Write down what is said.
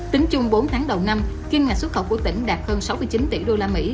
tính chung bốn tháng đầu năm kim ngạch xuất khẩu của tỉnh đạt hơn sáu mươi chín tỷ usd